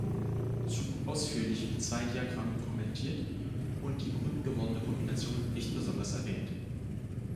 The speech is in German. Zug ausführlich mit zwei Diagrammen kommentiert und die berühmt gewordene Kombination nicht besonders erwähnt.